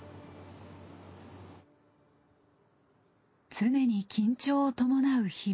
常に緊張を伴う日々。